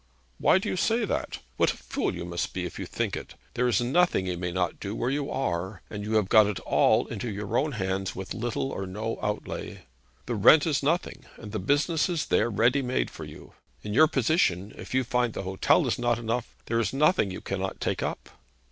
'Why do you say that? What a fool you must be if you think it! There is nothing you may not do where you are, and you have got it all into your own hands, with little or no outlay. The rent is nothing; and the business is there ready made for you. In your position, if you find the hotel is not enough, there is nothing you cannot take up.'